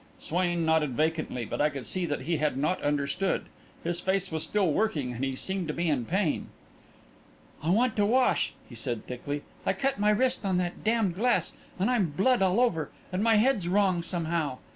Swain nodded vacantly, but I could see that he had not understood. His face was still working and he seemed to be in pain. "I want to wash," he said, thickly. "I cut my wrist on that damned glass, and I'm blood all over, and my head's wrong, somehow."